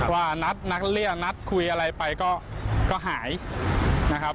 ว่านัดเรียกนัดคุยอะไรไปก็หายนะครับ